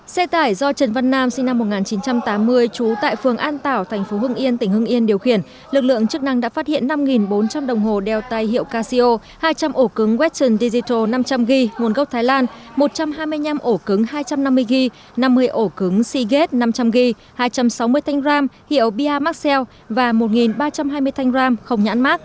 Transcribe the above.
xe tải do trần văn nam sinh năm một nghìn chín trăm tám mươi trú tại phường an tảo thành phố hưng yên tỉnh hưng yên điều khiển lực lượng chức năng đã phát hiện năm bốn trăm linh đồng hồ đeo tay hiệu casio hai trăm linh ổ cứng western digital năm trăm linh g nguồn gốc thái lan một trăm hai mươi năm ổ cứng hai trăm năm mươi g năm mươi ổ cứng seagate năm trăm linh g hai trăm sáu mươi thanh gram hiệu pia marcel và một ba trăm hai mươi thanh gram không nhãn mát